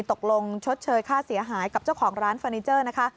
ตกลงชดเชยค่าเสียหายกับเจ้าของร้านเฟอร์นิเจอร์นะคะ